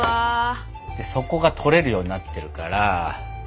底が取れるようになってるから。